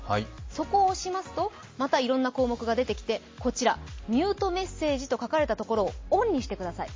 そこを押しますとまたいろいろな項目が出てきてこちらミュートメッセージと書かれたところをオンにしてください。